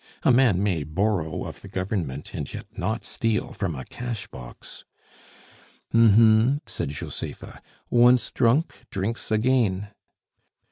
A man may borrow of the Government, and yet not steal from a cash box " "H'm, h'm," said Josepha. "Once drunk, drinks again."